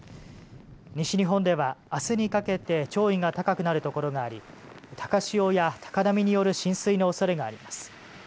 西日本では、あすにかけて潮位が高くなるところがあり高潮や高波による浸水のおそれがあります。